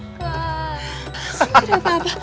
aku mengangkat derajatku